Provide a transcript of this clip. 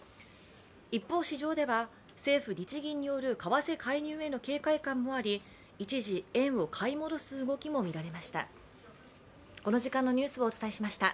一方、市場では政府・日銀による為替介入への警戒感もあり、一時、円を買い戻す動きも見られました。